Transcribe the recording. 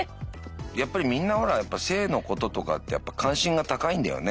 やっぱりみんなほら性のこととかってやっぱ関心が高いんだよね。